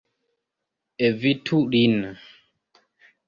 Evitu lin.